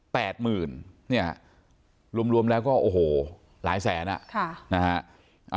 หมื่นเนี่ยรวมรวมแล้วก็โอ้โหหลายแสนอ่ะค่ะนะฮะ